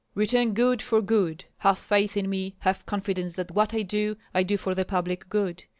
"Return good for good. Have faith in me, have confidence that what I do I do for the public good.